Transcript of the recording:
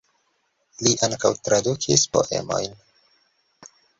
Li ankaŭ tradukis poemojn.